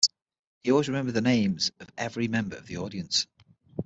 He always remembered the names of every member of the audience.